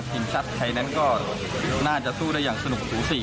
ทีมชาติไทยนั้นก็น่าจะสู้ได้อย่างสนุกสูสี